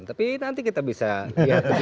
tapi nanti kita bisa lihat di jalan